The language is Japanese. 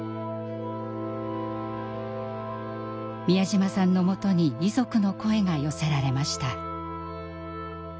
美谷島さんのもとに遺族の声が寄せられました。